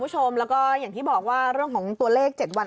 คุณผู้ชมแล้วก็อย่างที่บอกว่าเรื่องของตัวเลข๗วัน